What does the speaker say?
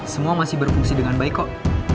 iya pak semua masih berfungsi dengan baik kok